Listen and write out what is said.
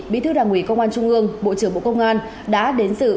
bí thư đảng ủy công an trung ương bộ trưởng bộ công an đã đến dự